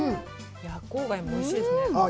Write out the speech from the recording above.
夜光貝もおいしいですね。